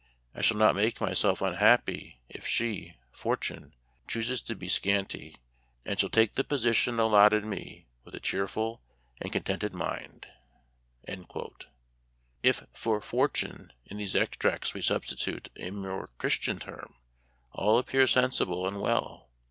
I shall not make myself unhappy if she (fortune) chooses to be scanty, and shall take the position allotted me with a cheerful and contented mind." If for fortune in these extracts we substitute a more Christian term, all appears sensible and well.